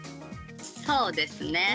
そうですね。